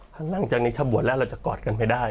ถ้าหลังจากนี้ถ้าบวชแล้วเราจะกอดกันไปได้